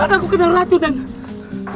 anakku kena racun dan